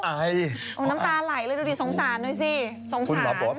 พี่ด่าเขาเอาด่าเขาเอา